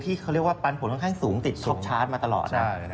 ที่เขาเรียกว่าปันผลค่อนข้างสูงติดซบชาร์จมาตลอดนะ